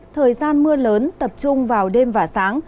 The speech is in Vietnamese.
thời gian mưa lớn tập trung vào đêm và sáng